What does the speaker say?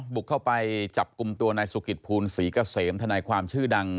บุกเข้าไปจับกลุ่มตัวนายสุกิตภูลศรีเกษมทนายความชื่อดัง